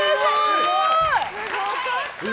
すごい！